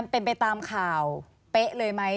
เป็นไปตามข่าวเป๊ะเลยไหม